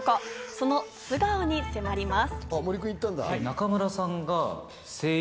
その素顔に迫ります。